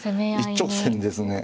一直線ですね。